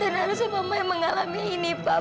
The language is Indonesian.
dan harusnya mama yang mengalami ini pak